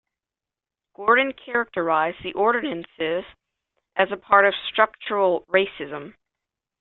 Gordon characterized the ordinances as a part of structural racism.